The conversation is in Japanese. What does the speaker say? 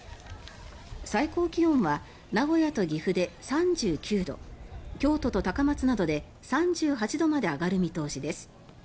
最高気温は名古屋と岐阜で３９度京都と高松などで３８度まで上がる見通しです。